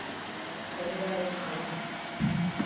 Enright an.